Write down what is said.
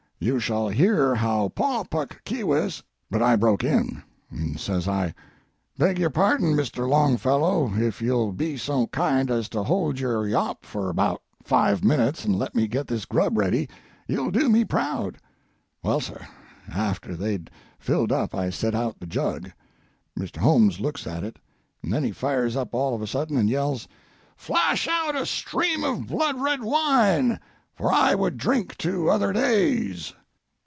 You shall hear how Pau Puk Keewis ' "But I broke in, and says I, 'Beg your pardon, Mr. Longfellow, if you'll be so kind as to hold your yawp for about five minutes and let me get this grub ready, you'll do me proud.' Well, sir, after they'd filled up I set out the jug. Mr. Holmes looks at it, and then he fires up all of a sudden and yells: "Flash out a stream of blood red wine! For I would drink to other days.'